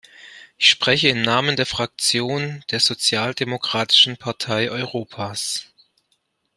Ich spreche im Namen der Fraktion der Sozialdemokratischen Partei Europas.